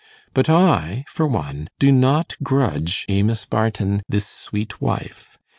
But I, for one, do not grudge Amos Barton this sweet wife.